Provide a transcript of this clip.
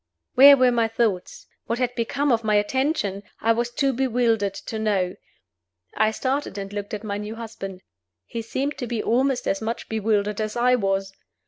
Where were my thoughts? What had become of my attention? I was too bewildered to know. I started and looked at my new husband. He seemed to be almost as much bewildered as I was.